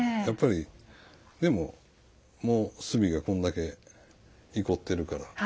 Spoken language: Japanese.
やっぱりもう炭がこんだけいこっているから。